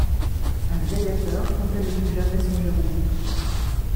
Un gladiateur comptait ne plus jamais songer au bouton.